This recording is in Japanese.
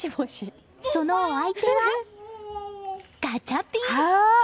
そのお相手はガチャピン。